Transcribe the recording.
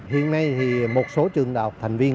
hiện nay thì một số trường đại học thành viên